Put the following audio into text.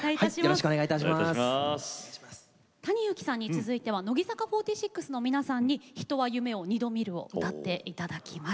ＴａｎｉＹｕｕｋｉさんに続いては乃木坂４６の皆さんに「人は夢を二度見る」を歌っていただきます。